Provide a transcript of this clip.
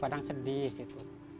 kadang sedih gitu